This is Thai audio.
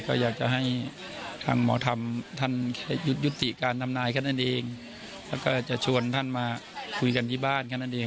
ก็อยากจะให้ทางหมอธรรมท่านยุติการทำนายแค่นั้นเองแล้วก็จะชวนท่านมาคุยกันที่บ้านแค่นั้นเอง